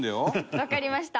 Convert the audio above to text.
わかりました。